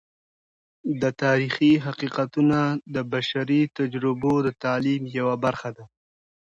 د تاریخی حقیقتونه د بشري تجربو د تعلیم یوه برخه ده.